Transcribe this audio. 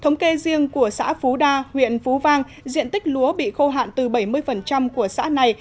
thống kê riêng của xã phú đa huyện phú vang diện tích lúa bị khô hạn từ bảy mươi của xã này